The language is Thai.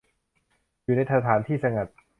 อยู่ในสถานที่สงัด